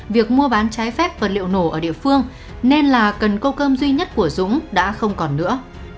việc mua bán trái phép vật liệu nổ ở địa phương nên là cần cô cơm duy nhất của dũng đã không còn nữa